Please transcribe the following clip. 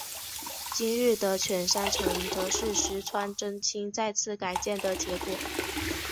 今日的犬山城则是石川贞清再次改建的结果。